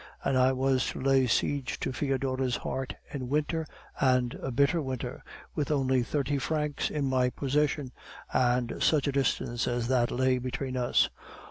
And I was to lay siege to Foedora's heart, in winter, and a bitter winter, with only thirty francs in my possession, and such a distance as that lay between us!